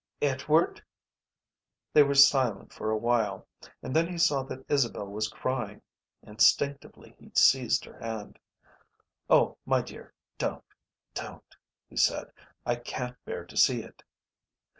"Edward?" They were silent for a while, and then he saw that Isabel was crying. Instinctively he seized her hand. "Oh, my dear, don't, don't," he said. "I can't bear to see it."